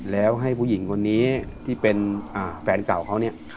แล้วให้ผู้หญิงคนนี้ที่เป็นแฟนเก่าเขาเนี่ย